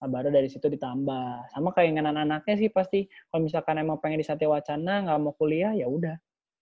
baru dari situ ditambah sama keinginan anaknya sih pasti kalau misalkan emang pengen di sate wacana nggak mau kuliah yaudah